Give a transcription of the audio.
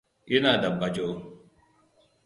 Ina da bajo.